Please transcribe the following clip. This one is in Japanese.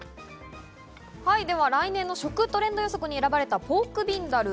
来年の食トレンド予測に選ばれたポークビンダルー。